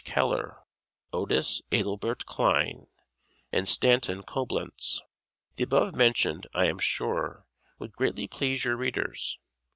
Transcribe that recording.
Keller, Otis Adelbert Kline and Stanton Coblentz. The above mentioned, I am sure, would greatly please your readers.